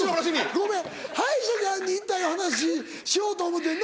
ごめん歯医者さんに行った話しようと思うてんな？